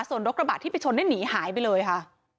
ส่วนรถกระบะที่ไปชนได้หนีหายไปเลยค่ะ